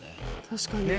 確かに。